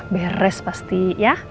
beres pasti ya